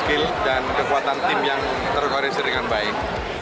skill dan kekuatan tim yang terkoreksi dengan baik